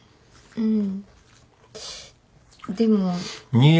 うん？